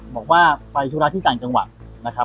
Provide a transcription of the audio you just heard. บอกว่าไปธุระที่ต่างจังหวัดนะครับ